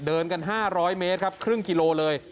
เดินกัน๕๐๐เมตรครับครึ่งกิโลเลย